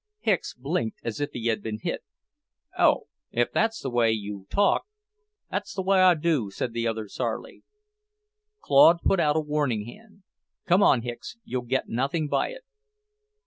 Hicks blinked as if he had been hit. "Oh, if that's the way you talk " "That's the way I do," said the other sourly. Claude put out a warning hand. "Come on, Hicks. You'll get nothing by it."